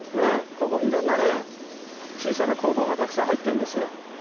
ここ色んなね小さな工房がたくさん入ってるんですよ。